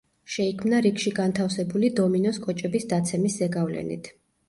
შეიქმნა რიგში განთავსებული დომინოს კოჭების დაცემის ზეგავლენით.